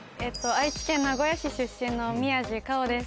愛知県名古屋市出身の宮治果緒です